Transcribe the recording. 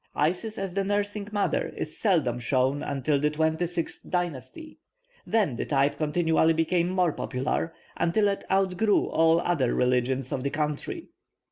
Isis as the nursing mother is seldom shown until the twenty sixth dynasty; then the type continually became more popular, until it outgrew all other religions of the country.